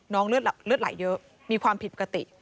เลือดไหลเยอะมีความผิดปกติ